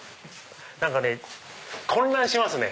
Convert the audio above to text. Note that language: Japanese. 何かね混乱しますね。